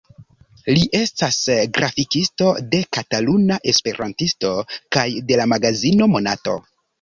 Li estas grafikisto de "Kataluna Esperantisto" kaj de la magazino "Monato".